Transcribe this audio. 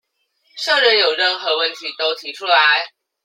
社員有任何問題都提出來